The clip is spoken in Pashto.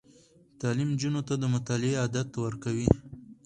تعلیم نجونو ته د مطالعې عادت ورکوي.